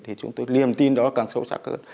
thì chúng tôi liềm tin đó càng sâu sắc hơn